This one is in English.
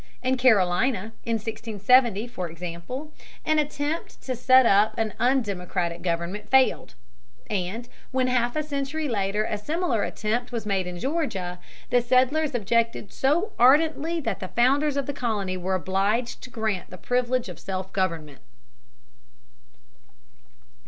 In Carolina in 1670, for example, an attempt to set up an undemocratic government failed, and when half a century later a similar attempt was made in Georgia, the settlers objected so ardently that the founders of the colony were obliged to grant the privilege of self government.